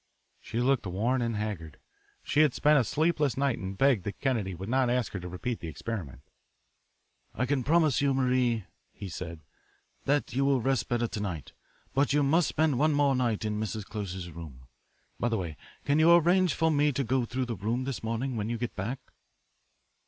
She looked worn and haggard. She had spent a sleepless night and begged that Kennedy would not ask her to repeat the experiment. "I can promise you, Marie," he said, "that you will rest better to night. But you must spend one more night in Mrs. Close's room. By the way, can you arrange for me to go through the room this morning when you go back?"